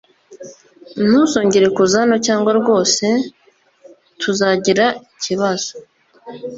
Ntuzongere kuza hano cyangwa rwose tuzagira ikibazo.